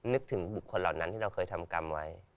นึกถึงบุคคลเหล่านั้นที่เราเคยทำกรรมไว้